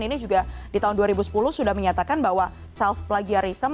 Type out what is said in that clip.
ini juga di tahun dua ribu sepuluh sudah menyatakan bahwa self plagiarism